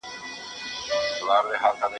په مالي معاملاتو کي رښتیني اوسئ.